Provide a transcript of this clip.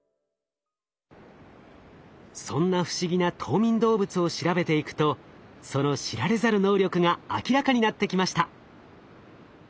そんな不思議な冬眠動物を調べていくとその知られざる能力が明らかになってきました。